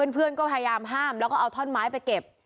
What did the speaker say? เพื่อนก็พยายามห้ามแล้วก็เอาท่อนไม้ไปเก็บ